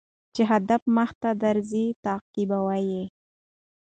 چي هدف مخته درځي تعقيبوه يې